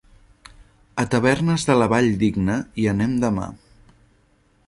A Tavernes de la Valldigna hi anem demà.